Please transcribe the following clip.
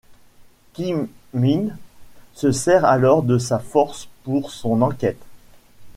Kim Min se sert alors de sa force pour son enquête.